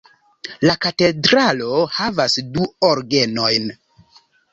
La katedralo havas du orgenojn.